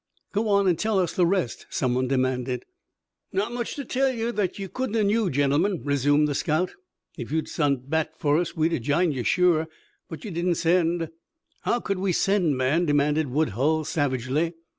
"Go on and tell us the rest," someone demanded. "Not much to tell that ye couldn't of knew, gentlemen," resumed the scout. "Ef ye'd sont back fer us we'd of jined ye, shore, but ye didn't send." "How could we send, man?" demanded Woodhull savagely.